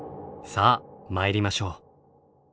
さあ参りましょう。